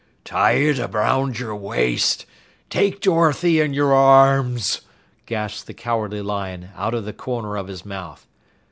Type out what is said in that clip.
"Tie it around your waist; take Dorothy in your arms!" gasped the Cowardly Lion out of the corner of his mouth.